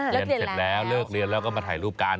เสร็จแล้วเลิกเรียนแล้วก็มาถ่ายรูปกัน